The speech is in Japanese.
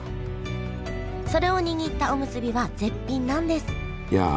それを握ったおむすびは絶品なんですいや！